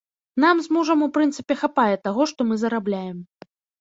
Нам з мужам, у прынцыпе, хапае таго, што мы зарабляем.